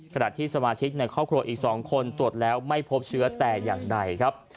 ขณะที่สมาชิกในครอบครัวอีก๒คนตรวจแล้วไม่พบเชื้อแต่อย่างใดครับ